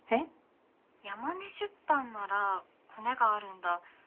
ヤマネ出版ならコネがあるんだ